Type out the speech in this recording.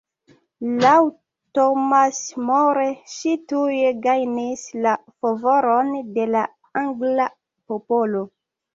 Laŭ Thomas More ŝi tuj gajnis la favoron de la angla popolo.